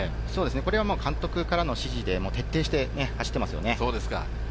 これは監督からの指示で徹底して走っていますよね。